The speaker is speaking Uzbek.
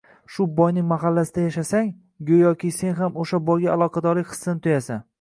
Shu boyning mahallasida yashasang, go‘yoki sen ham o‘sha boyga aloqadorlik hissini tuyasan.